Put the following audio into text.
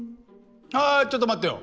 あちょっと待ってよ。